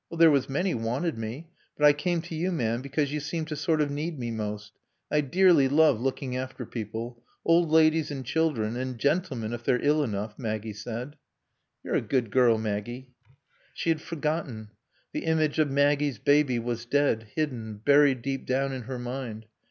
"There was many wanted me. But I came to you, ma'am, because you seemed to sort of need me most. I dearly love looking after people. Old ladies and children. And gentlemen, if they're ill enough," Maggie said. "You're a good girl, Maggie." She had forgotten. The image of Maggie's baby was dead, hidden, buried deep down in her mind.